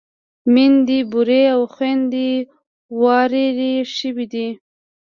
ميندې بورې او خويندې ورارې شوې وې.